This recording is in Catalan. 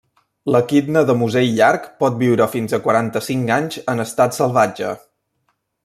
L'equidna de musell llarg pot viure fins a quaranta-cinc anys en estat salvatge.